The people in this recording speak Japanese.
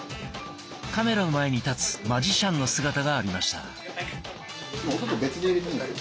カメラの前に立つマジシャンの姿がありました。